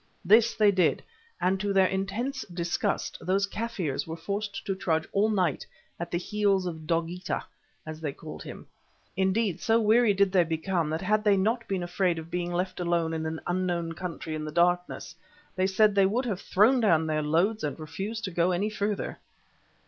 This they did and to their intense disgust those Kaffirs were forced to trudge all night at the heels of Dogeetah, as they called him. Indeed, so weary did they become, that had they not been afraid of being left alone in an unknown country in the darkness, they said they would have thrown down their loads and refused to go any further.